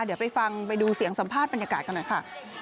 เดี๋ยวไปฟังไปดูเสียงสัมภาษณ์บรรยากาศกันหน่อยค่ะ